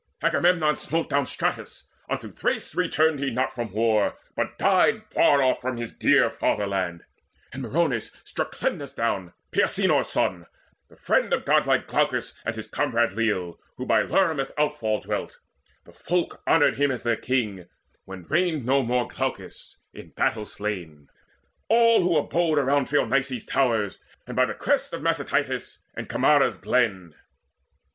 Agamemnon smote down Stratus: unto Thrace Returned he not from war, but died far off From his dear fatherland. And Meriones Struck Chlemus down, Peisenor's son, the friend Of god like Glaucus, and his comrade leal, Who by Limurus' outfall dwelt: the folk Honoured him as their king, when reigned no more Glaucus, in battle slain, all who abode Around Phoenice's towers, and by the crest Of Massicytus, and Chimaera's glen.